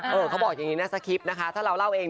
เออเค้าบอกอย่างนี้นะสะคริ๊ปถ้าเราเล่าเอง